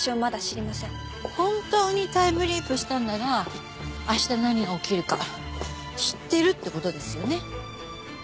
本当にタイムリープしたのなら明日何が起きるか知ってるって事ですよね？